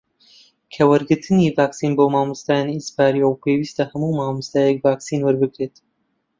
کە وەرگرتنی ڤاکسین بۆ مامۆستایان ئیجبارییە و پێویستە هەموو مامۆستایەک ڤاکسین وەربگرێت